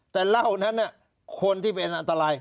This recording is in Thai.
แต่เหล้านั้นคนที่เป็นอันตราย